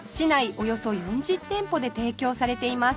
およそ４０店舗で提供されています